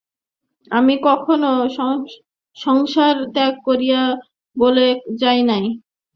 আমি কখনও সংসার ত্যাগ করিয়া বনে যাই নাই।